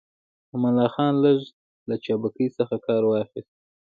امان الله خان لږ له چابکۍ څخه کار واخيست.